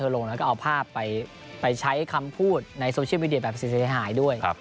ลงแล้วก็เอาภาพไปใช้คำพูดในโซเชียลมีเดียแบบเสียหายด้วย